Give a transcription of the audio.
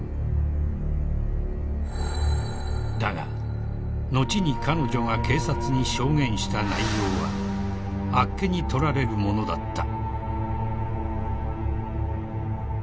［だが後に彼女が警察に証言した内容はあっけにとられるものだった］